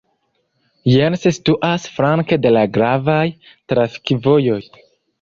Jens situas flanke de la gravaj trafikvojoj.